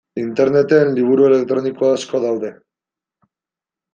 Interneten liburu elektroniko asko daude.